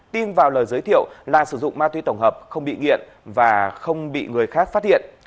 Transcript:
tin vào lời giới thiệu là sử dụng ma túy tổng hợp không bị nghiện và không bị người khác phát hiện